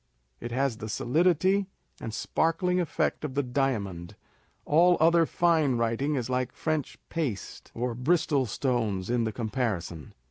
It has the solidity, and sparkling effect of the diamond : all other fine writing is like French paste or Bristol stones in the comparison.